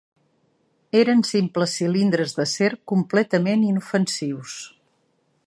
Eren simples cilindres d'acer completament inofensius